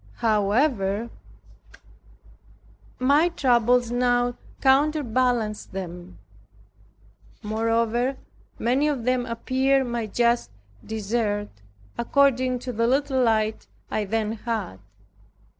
However, my troubles now counter balanced them. Moreover, many of them appeared my just dessert according to the little light I then had.